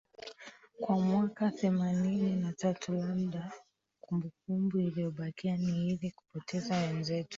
kwa mwaka themanini na tatu labda kumbukumbu iliyobakia ni ile kupoteza wenzetu